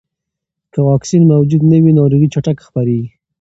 که واکسین موجود نه وي، ناروغي چټکه خپرېږي.